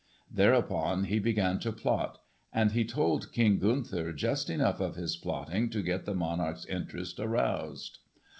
Thereupon he began to plot, and he told King Gunther just enough of his plotting to get the monarch's interest aroused.